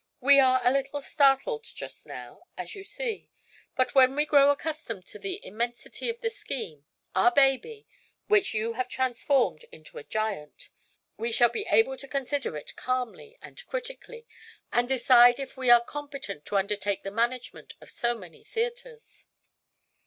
"We are a little startled just now, as you see; but when we grow accustomed to the immensity of the scheme our baby, which you have transformed into a giant we shall be able to consider it calmly and critically, and decide if we are competent to undertake the management of so many theatres."